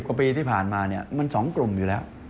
๑๐กว่าปีที่ผ่านมามัน๒กลุ่มอยู่แล้ว